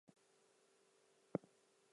It was shot in the Dominican Republic.